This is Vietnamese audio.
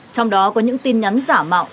trong đó có những tin nhắn giả mạo